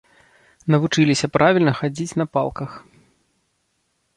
Навучыліся правільна хадзіць на палках.